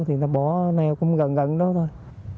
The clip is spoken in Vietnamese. thì người ta bỏ nèo cũng gần gần đó thôi